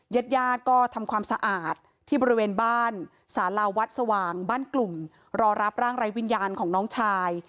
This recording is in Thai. ญาติญาติก็ทำความสะอาดที่บริเวณบ้านสาราวัดสว่างบ้านกลุ่มรอรับร่างไร้วิญญาณของน้องชาย